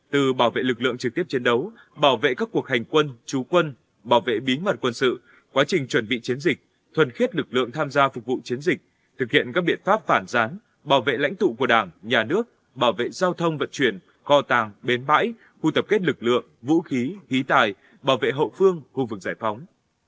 từ bảo vệ lực lượng trực tiếp chiến đấu bảo vệ các cuộc hành quân trú quân bảo vệ bí mật quân sự quá trình chuẩn bị chiến dịch thuần khiết lực lượng tham gia phục vụ chiến dịch thực hiện các biện pháp phản gián bảo vệ lãnh tụ của đảng nhà nước bảo vệ giao thông vận chuyển kho tàng bến bãi khu tập kết lực lượng vũ khí khí tài bảo vệ hậu phương khu vực giải phóng